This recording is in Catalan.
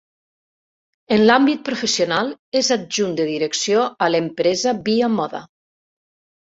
En l'àmbit professional és adjunt de Direcció a l’empresa Via Moda.